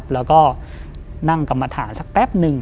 แล้วก็นั่งกรรมฐานสักแป๊บหนึ่ง